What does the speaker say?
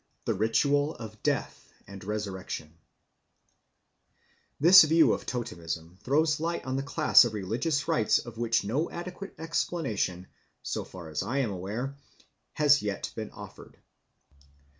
The Ritual of Death and Resurrection THIS view of totemism throws light on a class of religious rites of which no adequate explanation, so far as I am aware, has yet been offered.